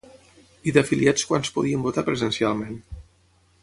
I d'afiliats quants podien votar presencialment?